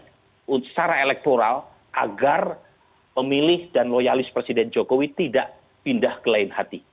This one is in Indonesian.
secara elektoral agar pemilih dan loyalis presiden jokowi tidak pindah ke lain hati